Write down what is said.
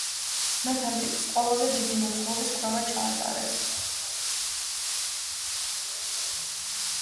მათ ამ ტიპის ყველაზე დიდი მოცულობის კვლევა ჩაატარეს.